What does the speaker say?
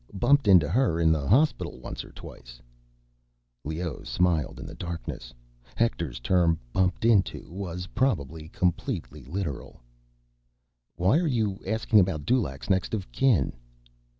Bumped into her in the hospital once or twice—" Leoh smiled in the darkness. Hector's term, "bumped into," was probably completely literal. "Why are you asking about Dulaq's next of kin?"